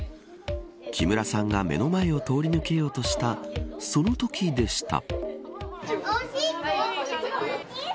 木村さんが目の前を通り抜けようとしたそのときでした。